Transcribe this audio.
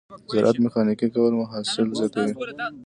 د زراعت ميخانیکي کول حاصل زیاتوي.